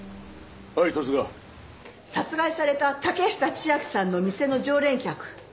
殺害された竹下千晶さんの店の常連客